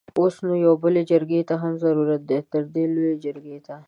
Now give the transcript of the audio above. اوس نو يوې بلې جرګې ته هم ضرورت دی؛ تردې لويې جرګې ته!